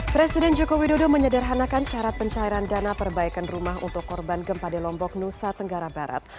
presiden joko widodo menyederhanakan syarat pencairan dana perbaikan rumah untuk korban gempa di lombok nusa tenggara barat